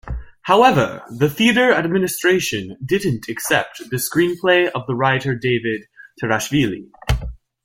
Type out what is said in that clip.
However, the theater administration didn't accept the screenplay of the writer David Turashvili.